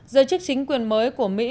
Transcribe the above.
giới chức chính quyền mới của mỹ